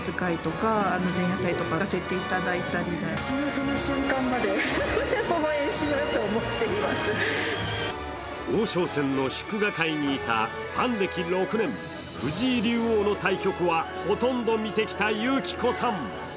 そう、この方王将戦の祝賀会にいたファン歴６年、藤井竜王の対局はほとんど見てきた、ゆきこさん。